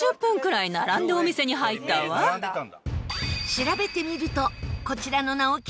調べてみるとこちらの直吉さん